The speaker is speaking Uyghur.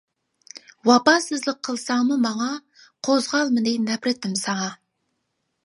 ۋاپاسىزلىق قىلساڭمۇ ماڭا، قوزغالمىدى نەپرىتىم ساڭا.